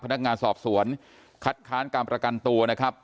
พนักงานสอบสวนคัดค้านการประกันตัวนะครับ